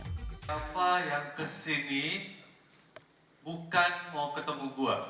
ketapa yang kesini bukan mau ketemu gue